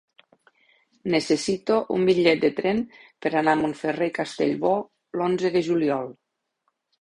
Necessito un bitllet de tren per anar a Montferrer i Castellbò l'onze de juliol.